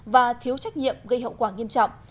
và thiếu trách nhiệm gây hậu quả nghiêm trọng